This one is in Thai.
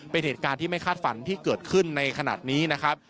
เป็นเหตุการณ์ที่ไม่คาดฝันที่เกิดขึ้นในขณะนี้นะครับ